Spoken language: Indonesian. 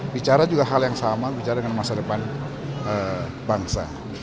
bicara juga hal yang sama bicara dengan masa depan bangsa